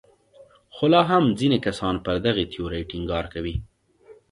خو لا هم ځینې کسان پر دغې تیورۍ ټینګار کوي.